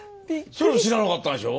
それも知らなかったんでしょ？